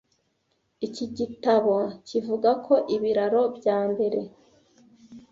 Iki gitabo kivuga ko ibiraro bya mbere